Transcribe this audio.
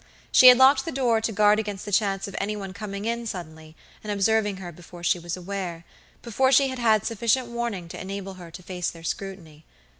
She had locked the door to guard against the chance of any one coming in suddenly and observing her before she was awarebefore she had had sufficient warning to enable her to face their scrutiny.